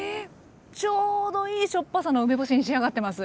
ちょうどいいしょっぱさの梅干しに仕上がってます。